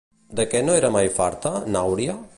De què no era mai farta, n'Àuria?